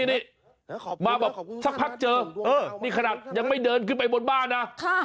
นี่มาแบบสักพักเจอนี่ขนาดยังไม่เดินขึ้นไปบนบ้านนะ